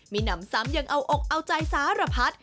มีหนำซ้ำยังเอาอกเอาใจสารพัด